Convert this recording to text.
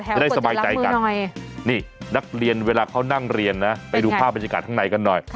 จะได้สบายใจกันนี่นักเรียนเวลาเขานั่งเรียนนะไปดูภาพบรรยากาศข้างในกันหน่อย